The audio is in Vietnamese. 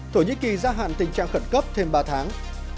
thổ nhĩ kỳ gia hạn tình trạng khẩn cấp thêm ba tháng